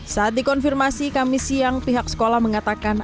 saat dikonfirmasi kami siang pihak sekolah mengatakan